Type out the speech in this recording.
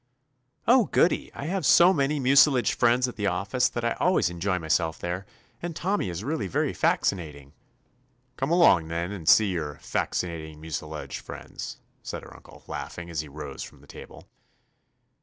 *'0h, goody I I have so many mu cilage friends at the office that I al ways enjoy myself there, and Tommy is really very faxinating.'* "Come along, then, and see your *faxinating mucilage' friends," said her uncle, laughing, as he rose from the table.